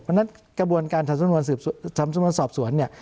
เพราะฉะนั้นกระบวนการทำสมนวนสอบสวน